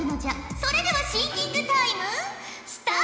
それではシンキングタイムスタート！